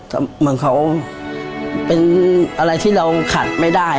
ก็เหมือนเขาเป็นอะไรที่เราขัดไม่ได้